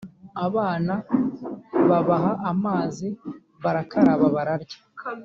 abana Babaha amazi, barakaraba bararya